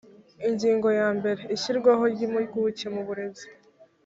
ingingo ya mbere ishyirwaho ry impuguke mu burezi